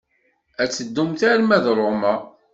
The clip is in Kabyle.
Ad teddumt arma d Roma.